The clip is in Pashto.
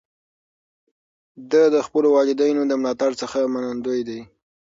ده د خپلو والدینو د ملاتړ څخه منندوی دی.